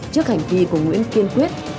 trước hành vi của nguyễn kiên quyết